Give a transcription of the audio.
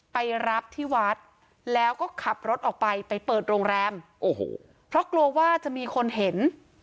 ไปรับที่วัดแล้วก็ขับรถออกไปไปเปิดโรงแรมโอ้โหเพราะกลัวว่าจะมีคนเห็น